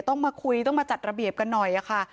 ต้องมาคุยต้องมาจัดระเบียบกันหน่อยค่ะ